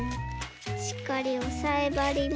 しっかりおさえばりに。